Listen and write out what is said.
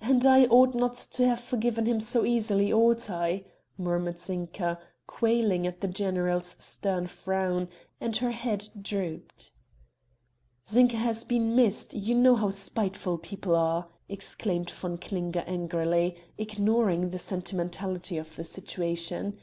"And I ought not to have forgiven him so easily ought I?" murmured Zinka, quailing at the general's stern frown, and her head drooped. "Zinka has been missed, you know how spiteful people are!" exclaimed von Klinger angrily, ignoring the sentimentality of the situation.